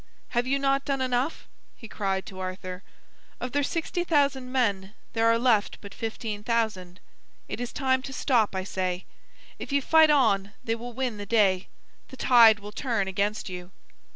"Have you not done enough?" he cried to Arthur. "Of their sixty thousand men there are left but fifteen thousand. It is time to stop, I say. If you fight on, they will win the day. The tide will turn against you."